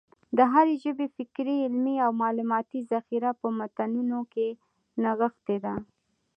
د هري ژبي فکري، علمي او معلوماتي ذخیره په متونو کښي نغښتې ده.